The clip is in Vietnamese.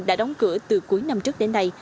đã đóng cửa từ cuối năm trước đến nay